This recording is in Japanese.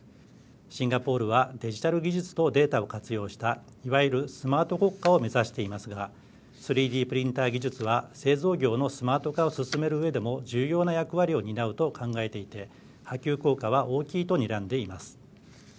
シンガポールはデジタル技術とデータを活用したいわゆる、スマート国家を目指していますが３Ｄプリンター技術は製造業のスマート化を進めるうえでも重要な役割を担うと考えていて波及効果は大きいとにらんでいます。